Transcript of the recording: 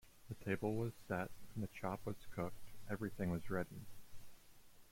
The table was set, the chop was cooked, everything was ready.